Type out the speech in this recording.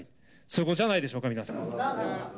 そこじゃないでしょうか、皆さん。